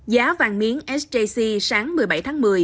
giá vàng miếng sjc sáng một mươi bảy tháng một mươi